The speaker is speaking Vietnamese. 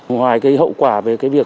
ngoài cái hậu quả về cái việc